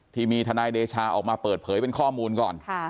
ที่มีทนายเดชาออกมาเปิดเผยเป็นข้อมูลก่อน